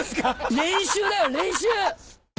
練習だよ練習。